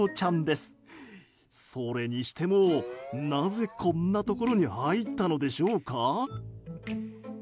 それにしてもなぜこんなところに入ったのでしょうか。